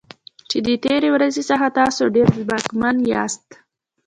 چې د تیرې ورځې څخه تاسو ډیر ځواکمن یاست.